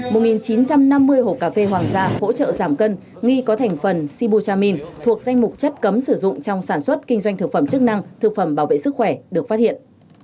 một chín trăm năm mươi hộp cà phê hoàng gia hỗ trợ giảm cân nghi có thành phần sibu chamin thuộc danh mục chất cấm sử dụng trong sản xuất kinh doanh thực phẩm chức năng thực phẩm bảo vệ sức khỏe được phát hiện